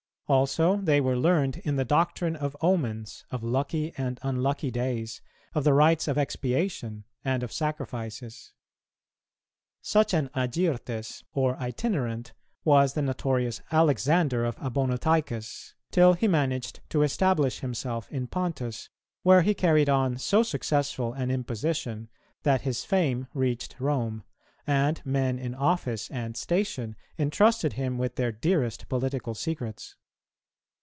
Also, they were learned in the doctrine of omens, of lucky and unlucky days, of the rites of expiation and of sacrifices. Such an agyrtes or itinerant was the notorious Alexander of Abonotichus, till he managed to establish himself in Pontus, where he carried on so successful an imposition that his fame reached Rome, and men in office and station entrusted him with their dearest political secrets.